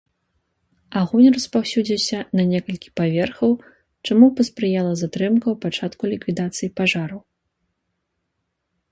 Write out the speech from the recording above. Агонь распаўсюдзіўся на некалькі паверхаў, чаму паспрыяла затрымка ў пачатку ліквідацыі пажару.